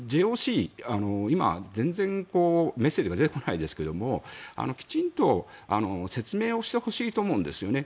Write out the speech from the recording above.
今、全然メッセージが出てこないですけれどもきちんと説明をしてほしいと思うんですよね。